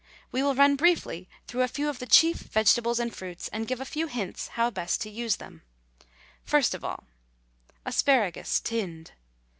We will run briefly through a few of the chief vegetables and fruits, and give a few hints how to best use them. First of all ASPARAGUS, TINNED.